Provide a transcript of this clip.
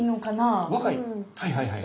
はいはいはいはい。